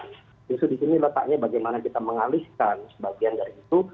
justru di sini letaknya bagaimana kita mengalihkan sebagian dari itu